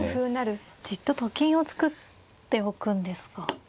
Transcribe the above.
じっとと金を作っておくんですか。